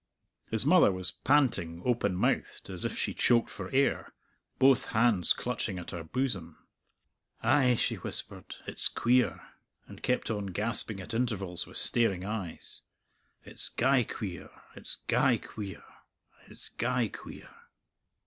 His mother was panting open mouthed, as if she choked for air, both hands clutching at her bosom. "Ay," she whispered, "it's queer;" and kept on gasping at intervals with staring eyes, "It's gey queer; it's gey queer; it's gey queer."